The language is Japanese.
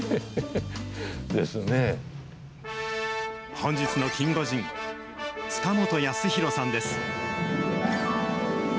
本日のキンゴジン、塚本康浩さんです。